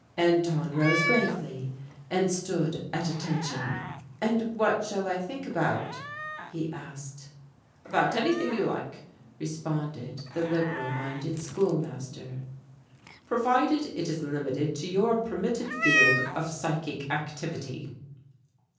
Anton rose gravely and stood at attention. "And what shall I think about?" he asked. "About anything you like," responded the liberal minded schoolmaster, "provided it is limited to your permitted field of psychic activity."